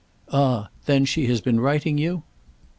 "Ah then she has been writing you?"